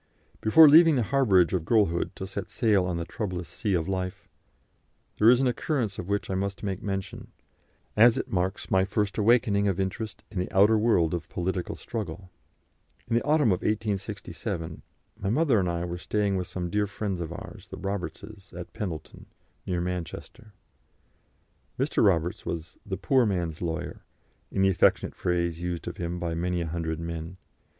Before leaving the harbourage of girlhood to set sail on the troublous sea of life, there is an occurrence of which I must make mention, as it marks my first awakening of interest in the outer world of political struggle. In the autumn of 1867 my mother and I were staying with some dear friends of ours, the Robertses, at Pendleton, near Manchester. Mr. Roberts was "the poor man's lawyer," in the affectionate phrase used of him by many a hundred men.